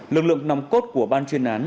lực lượng nằm cốt của ban chuyên án